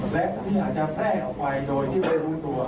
และนี่อาจจะแพร่ออกไปโดยที่ไม่รู้ตัว